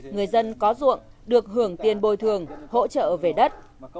người dân có ruộng được hưởng tiền bồi thường hỗ trợ về đất